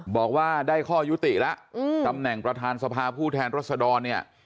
บอกว่าได้ข้อยุติละอืมตำแหน่งประทานทรภาพผู้แทนรสดอนเนี่ย